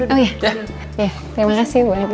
oh iya terima kasih bu andi